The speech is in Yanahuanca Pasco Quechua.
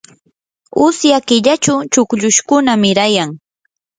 usya killachu chukllushkuna mirayan.